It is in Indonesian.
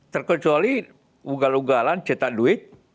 terkecuali ugal ugalan cetak duit